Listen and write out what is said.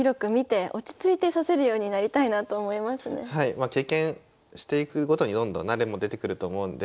まあ経験していくごとにどんどん慣れも出てくると思うので。